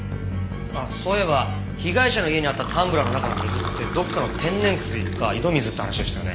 そういえば被害者の家にあったタンブラーの中の水ってどっかの天然水か井戸水って話でしたよね？